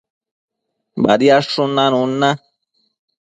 Badiadshun nanun na